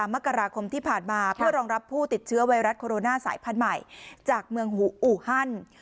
มกราคมที่ผ่านมาเพื่อรองรับผู้ติดเชื้อไวรัสโคโรนาสายพันธุ์ใหม่จากเมืองอูฮัน